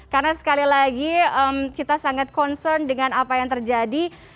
karena sekali lagi kita sangat concern dengan apa yang terjadi